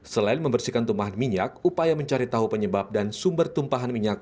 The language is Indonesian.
selain membersihkan tumpahan minyak upaya mencari tahu penyebab dan sumber tumpahan minyak